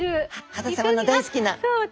羽田様の大好きな。